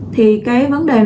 thì các giáo viên đã trả lương